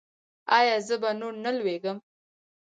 ایا زه به نور نه لویږم؟